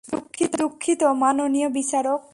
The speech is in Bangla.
দুঃখিত, মাননীয় বিচারক।